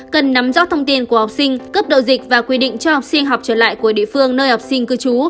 cần nắm rõ thông tin của học sinh cấp độ dịch và quy định cho học sinh học trở lại của địa phương nơi học sinh cư trú